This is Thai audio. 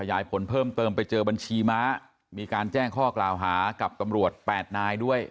ยายผลเพิ่มเติมไปเจอบัญชีม้ามีการแจ้งข้อกล่าวหากับตำรวจแปดนายด้วย